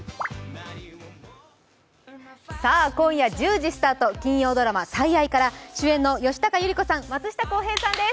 今夜１０時スタート、金曜ドラマ「最愛」から主演の吉高由里子さん、松下洸平さんです。